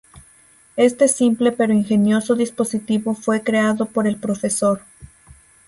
Este simple pero ingenioso dispositivo fue creado por el Prof.